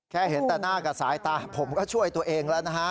เห็นแต่หน้ากับสายตาผมก็ช่วยตัวเองแล้วนะฮะ